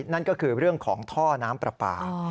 นั่นก็คือเรื่องของท่อน้ำปลาปลา